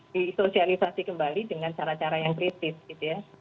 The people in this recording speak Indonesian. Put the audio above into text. disosialisasi kembali dengan cara cara yang kritis gitu ya